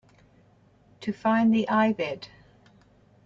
To find the ibid.